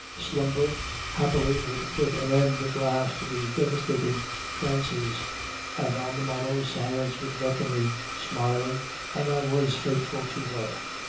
Slumber, happily, would put an end at last to these devastating trances; and on the morrow science would beckon me, smiling, and I was faithful to her.